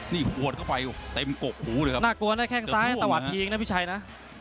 นี่หัวเข้าไปเต็มกกหูเลยครับน่ากลัวนะแข้งซ้ายตะวัดทิ้งนะพี่ชัยนะ